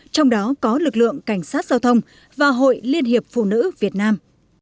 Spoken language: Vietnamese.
trong đó có lực lượng cảnh sát giao thông và hội liên hiệp phụ nữ việt nam